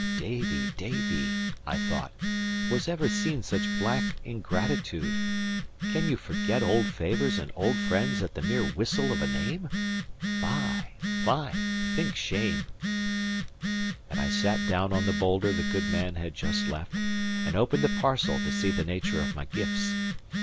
"Davie, Davie," I thought, "was ever seen such black ingratitude? Can you forget old favours and old friends at the mere whistle of a name? Fie, fie; think shame." And I sat down on the boulder the good man had just left, and opened the parcel to see the nature of my gifts.